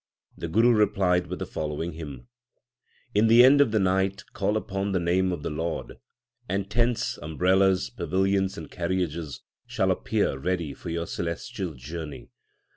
The Guru replied with the following hymn : In the end of the night call upon the name of the Lord, And tents, umbrellas, pavilions, and carriages shall appear ready for your celestial journey.